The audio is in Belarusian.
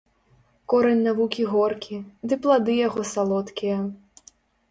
Корань навукі горкі, ды плады яго салодкія